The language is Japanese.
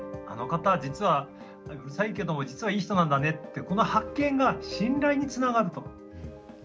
あの方実はうるさいけども実はいい人なんだねってこの発見が信頼につながると。